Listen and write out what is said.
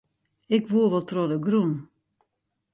Ik woe wol troch de grûn.